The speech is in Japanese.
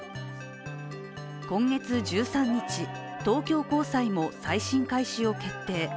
今月１３日、東京高裁も再審開始を決定。